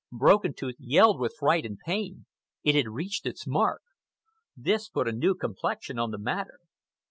Broken Tooth yelled with fright and pain. It had reached its mark. This put a new complexion on the matter.